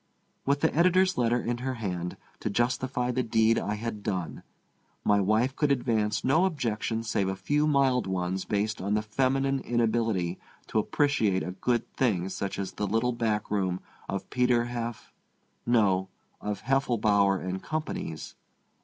With the editor's letter in her hand to justify the deed I had done, my wife could advance no objections save a few mild ones based on the feminine inability to appreciate a good thing such as the little back room of Peter Hef—no, of Heffelbower & Co's.